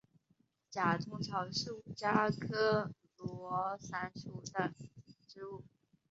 假通草是五加科罗伞属的植物。